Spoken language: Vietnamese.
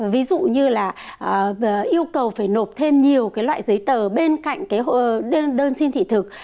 ví dụ như là yêu cầu phải nộp thêm nhiều loại giấy tờ bên cạnh đơn xin thị thực